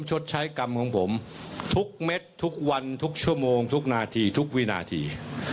ชดใช้กรรมของผมทุกเม็ดทุกวันทุกชั่วโมงทุกนาทีทุกวินาที